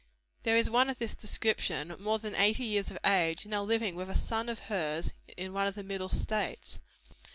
There is one of this description, more than eighty years of age, now living with a son of hers in one of the Middle States.